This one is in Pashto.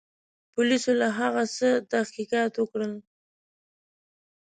پولیسو له هغه څخه تحقیقات وکړل.